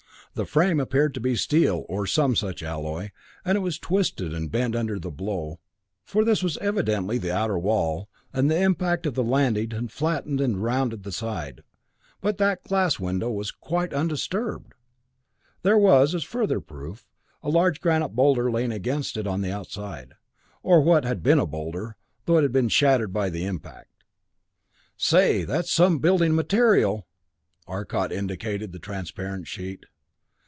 The frame appeared to be steel, or some such alloy, and it was twisted and bent under the blow, for this was evidently the outer wall, and the impact of landing had flattened the rounded side. But that "glass" window was quite undisturbed! There was, as a further proof, a large granite boulder lying against it on the outside or what had been a boulder, though it had been shattered by the impact. "Say that's some building material!" Arcot indicated the transparent sheet.